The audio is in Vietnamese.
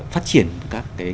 phát triển các cái